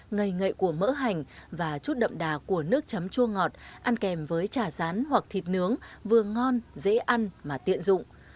ngây ngậy của mỡ hành và chút đậm đà của nước chấm chua ngọt ăn kèm với trà rán hoặc thịt nướng vừa ngon dễ ăn mà tiện dụng